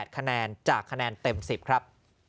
คะแนนจากคะแนนเต็ม๑๐ครับ